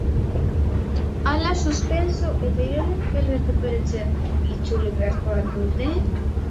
Ala suspenso, eta irailean errekuperatzera itzuli beharko al dute?